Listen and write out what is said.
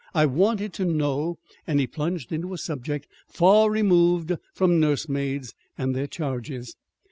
I wanted to know " And he plunged into a subject far removed from nursemaids and their charges.